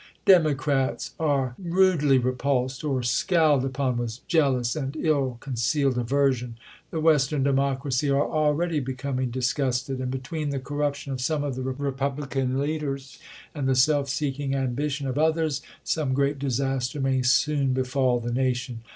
Democrats are rudely repulsed, or scowled upon with jealous and Hi con cealed aversion. The Western Democracy are aheady becoming disgusted, and between the corruption of some of the Republican leaders and the self seeking ambition of others some great disaster may soon befall the nation.